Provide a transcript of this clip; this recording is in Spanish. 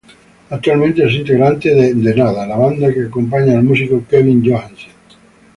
Actualmente es integrante de The Nada, la banda que acompaña al músico Kevin Johansen.